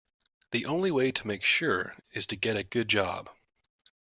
The only way to make sure is to get a good job